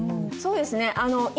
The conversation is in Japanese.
そうですね。